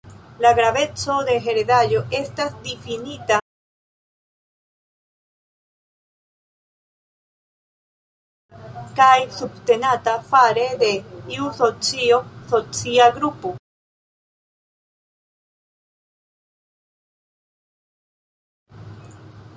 La graveco de heredaĵo estas difinita kaj subtenata fare de iu socio, socia grupo.